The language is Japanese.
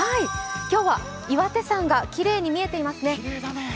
今日は岩手山がきれいに見えていますね。